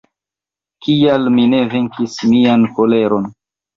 Kial mi ne venkis mian koleron?